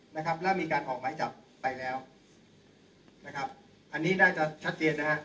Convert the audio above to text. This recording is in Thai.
นะครับแล้วมีการออกหมายจับไปแล้วนะครับอันนี้น่าจะชัดเจนนะฮะ